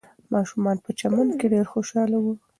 ماشومان په چمن کې ډېر خوشحاله وو.